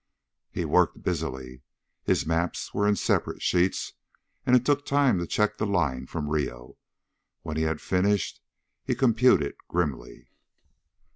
He worked busily. His maps were in separate sheets, and it took time to check the line from Rio. When he had finished, he computed grimly.